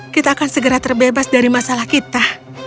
kita akan segera terbebas dari masalah kita